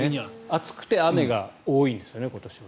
暑くて雨が多いんですよね今年は。